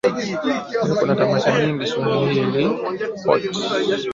Leo kuna tamasha nyingi swahili pot.